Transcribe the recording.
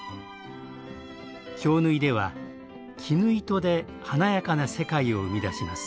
京繍では絹糸で華やかな世界を生み出します。